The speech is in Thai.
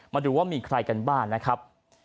มาดูว่ามีใครกันบ้างนะครับ